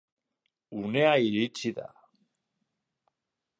Unea iritsi da.